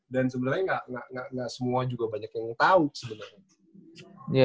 dan sebenarnya gak semua juga banyak yang tau sebenarnya